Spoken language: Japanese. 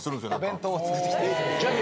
お弁当を作ってきて。